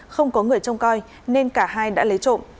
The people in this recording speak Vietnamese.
không có người trông coi nên cả hai đã lấy trộm